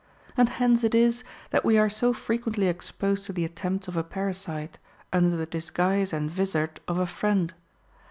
And hence it is that we are so frequently exposed to the attempts of a parasite, under the disguise and vizard of a friend.